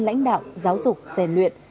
lãnh đạo giáo dục rèn luyện